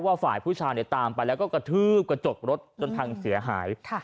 ฝ่ายผู้ชายตามไปแล้วก็กระทืบกระจกรถจนพังเสียหาย